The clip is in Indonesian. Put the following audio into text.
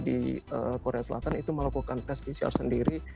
di korea selatan itu melakukan tes pcr sendiri